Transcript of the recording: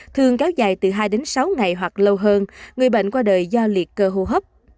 thường kéo dài từ hai đến sáu ngày hoặc lâu hơn người bệnh qua đời do liệt cơ hô hấp